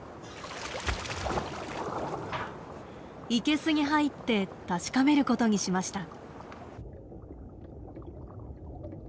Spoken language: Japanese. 生けすに入って確かめることにしました。